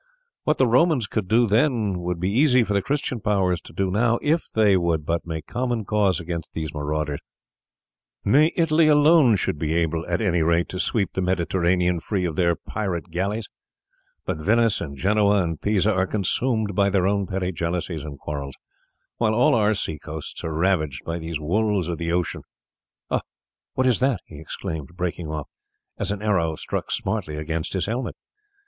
What the Romans could do then would be easy for the Christian powers to do now if they would but make common cause against these marauders nay, Italy alone should be able at any rate to sweep the Mediterranean free of their pirate galleys; but Venice and Genoa and Pisa are consumed by their own petty jealousies and quarrels, while all our sea coasts are ravaged by these wolves of the ocean." "Ah! what is that?" he exclaimed, breaking off, as an arrow struck smartly against his helmet.